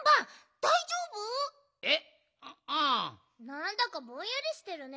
なんだかぼんやりしてるね。